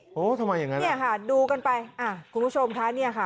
ทำไมอย่างนั้นเนี่ยค่ะดูกันไปอ่ะคุณผู้ชมคะเนี่ยค่ะ